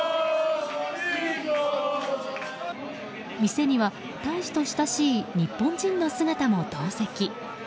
店には大使と親しい日本人の姿も同席。